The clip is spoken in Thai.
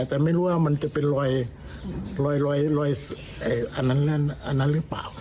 แต่ไม่รู้ว่ามันจะเป็นรอยอันนั้นอันนั้นหรือเปล่า